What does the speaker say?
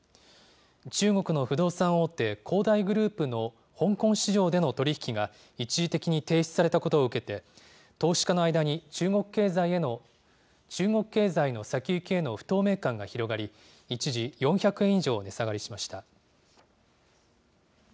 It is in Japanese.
中国の不動産大手、恒大グループの香港市場での取り引きが一時的に停止されたことを受けて、投資家の間に中国経済の先行きへの不透明感が広がり、一時４００円以上値下がりしました。